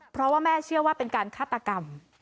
เพราะว่าแม่เชื่อว่าเป็นการฆาตกรรม